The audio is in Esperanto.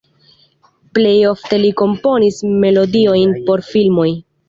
Plej ofte li komponis melodiojn por filmoj.